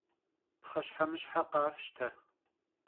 Pxheşhemışhe khafşte!